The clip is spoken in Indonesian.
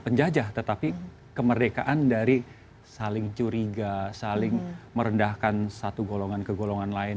penjajah tetapi kemerdekaan dari saling curiga saling merendahkan satu golongan ke golongan lain